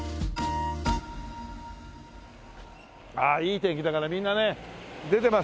ああいい天気だからみんなね出てますね。